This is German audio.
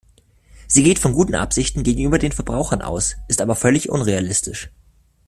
Sie geht von guten Absichten gegenüber den Verbrauchern aus, ist aber völlig unrealistisch.